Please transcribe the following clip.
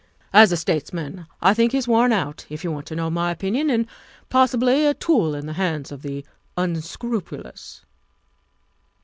As a states man, I think he's worn out, if you want to know my opinion, and possibly a tool in the hands of the un scrupulous.